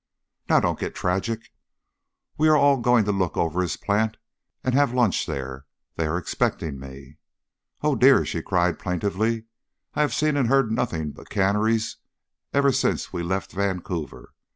"Now don't get tragic! We are all going to look over his plant and have lunch there they are expecting me. Oh, dear!" she cried, plaintively, "I have seen and heard nothing but canneries ever since we left Vancouver.